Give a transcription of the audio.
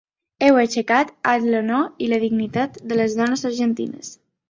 Heu aixecat alt l’honor i la dignitat de les dones argentines.